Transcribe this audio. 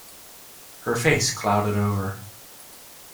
Her face clouded over.